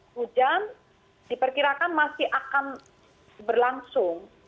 hujan diperkirakan masih akan berlangsung